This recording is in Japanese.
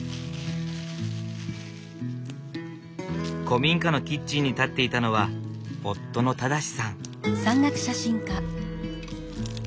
古民家のキッチンに立っていたのは夫の正さん。